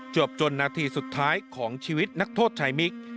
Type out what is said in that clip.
จนนาทีสุดท้ายของชีวิตนักโทษชายมิก